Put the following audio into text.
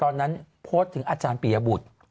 ตอนนั้นโพสต์ถึงอาจารย์ปียบุตร